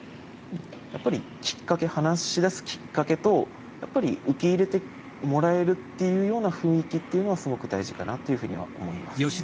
やっぱりきっかけ話しだすきっかけと受け入れてもらえるっていうような雰囲気っていうのはすごく大事かなっていうふうには思います。